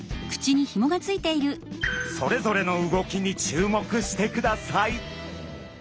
それぞれの動きに注目してください。